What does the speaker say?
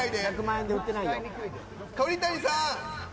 鳥谷さん！